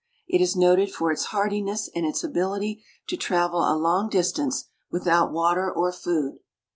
It is noted for its hardiness and its ability to travel a long distance without water or food.